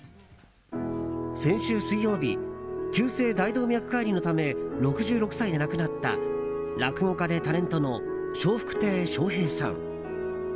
先週水曜日急性大動脈解離のため６６歳で亡くなった落語家でタレントの笑福亭笑瓶さん。